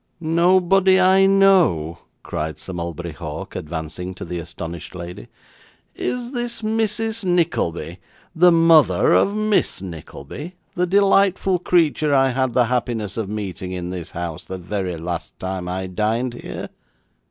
'Nobody I know!' cried Sir Mulberry Hawk, advancing to the astonished lady. 'Is this Mrs. Nickleby the mother of Miss Nickleby the delightful creature that I had the happiness of meeting in this house the very last time I dined here?